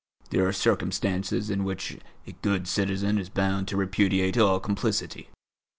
There are circumstances in which a good citizen is bound to repudiate all complicity.